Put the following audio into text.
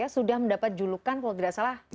sudah mendapat julukan kalau tidak salah